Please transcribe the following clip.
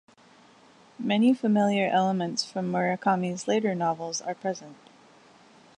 Many familiar elements from Murakami's later novels are present.